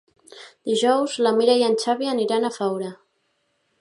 Dijous na Mira i en Xavi iran a Faura.